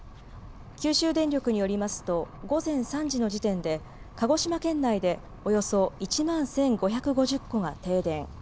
九州電力によりますと午前３時の時点で鹿児島県内でおよそ１万１５５０戸が停電。